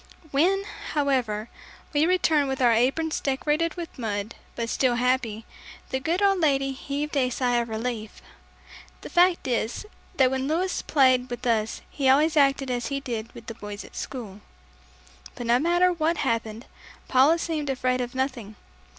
When, however, we returned with our aprons decorated with mud but still happy, the good old lady heaved a sigh of relief. The fact is, that when Louis played with us he always acted as he did with the boys at school. But no matter what happened, Paula seemed afraid of nothing.